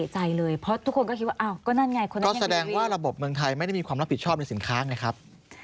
ไทยไม่ได้มีความรับผิดชอบในสินค้าไงครับ